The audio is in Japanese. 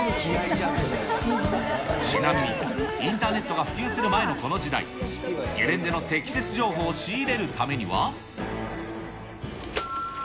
ちなみにインターネットが普及する前のこの時代、ゲレンデの積雪観光情報センターです。